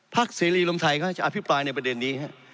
ภักษ์เศรีรมไทยก็จะอภิกษ์ปลายในประเด็นนี้ครับ